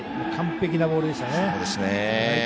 完璧なボールでしたね。